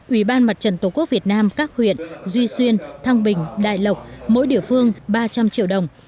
ủy ban mặt trận tổ quốc việt nam các huyện duy xuyên thăng bình đại lộc mỗi địa phương ba trăm linh triệu đồng